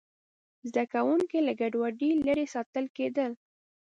زده کوونکي له ګډوډۍ لرې ساتل کېدل.